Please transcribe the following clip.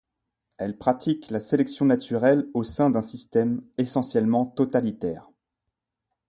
Elles pratiquent la sélection naturelle au sein d'un système essentiellement totalitaire.